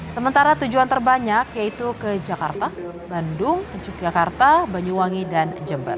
sementara tujuan terbanyak yaitu ke jakarta bandung yogyakarta banyuwangi dan jember